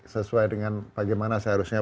sesuai dengan bagaimana seharusnya